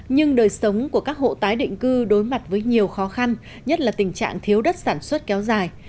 nhưng đời sống của các hộ tái định cư đối mặt với nhiều khó khăn nhất là tình trạng thiếu đất sản xuất kéo dài